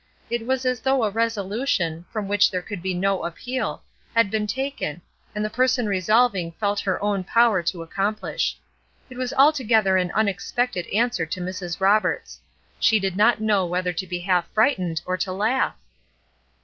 It was as though a resolution, from which there could be no appeal, had been taken, and the person resolving felt her own power to accomplish. It was altogether an unexpected answer to Mrs. Roberts. She did not know whether to be half frightened or to laugh.